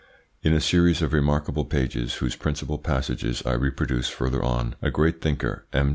In a series of remarkable pages, whose principal passages I reproduce further on, a great thinker, M.